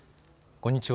こんにちは。